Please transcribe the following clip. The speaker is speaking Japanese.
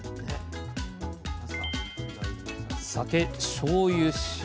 酒しょうゆ塩。